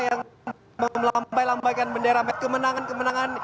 yang melambai lambaikan bendera kemenangan kemenangan